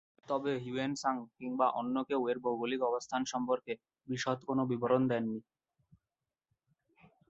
তবে Hiuen Tsang কিংবা অন্য কেউ এর ভৌগোলিক অবস্থান সম্পর্কে বিশদ কোনো বিবরণ দেন নি।